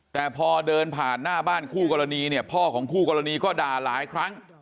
แต่พอเดินผ่านหน้าบ้านคู่กรณีเนี่ยพ่อของคู่กรณีก็ด่าหลายครั้ง